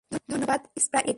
ধন্যবাদ, স্প্রাইট।